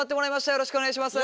よろしくお願いします。